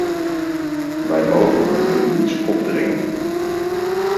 Wij mogen hun niets opdringen.